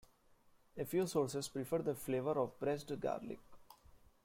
A few sources prefer the flavor of pressed garlic.